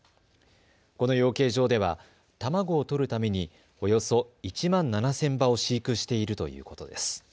この養鶏場では卵を取るためにおよそ１万７０００羽を飼育しているということです。